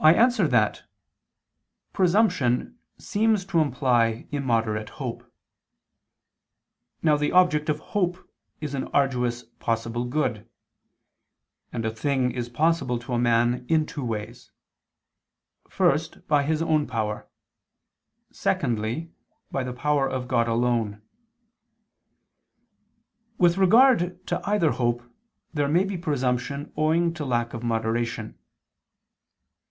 I answer that, Presumption seems to imply immoderate hope. Now the object of hope is an arduous possible good: and a thing is possible to a man in two ways: first by his own power; secondly, by the power of God alone. With regard to either hope there may be presumption owing to lack of moderation.